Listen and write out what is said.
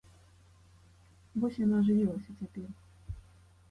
Вось яна ажывілася цяпер.